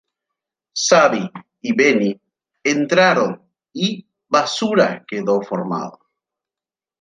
Xabi y Beni entraron y Basura quedó formado.